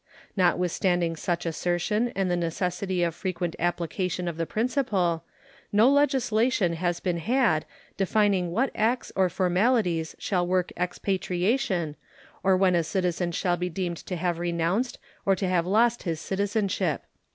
Notwithstanding such assertion and the necessity of frequent application of the principle, no legislation has been had defining what acts or formalities shall work expatriation or when a citizen shall be deemed to have renounced or to have lost his citizenship.